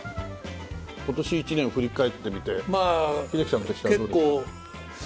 今年一年を振り返ってみて英樹さんとしてはどうですか？